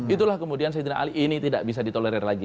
itulah kemudian saidina ali ini tidak bisa ditolerir lagi